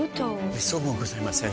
めっそうもございません。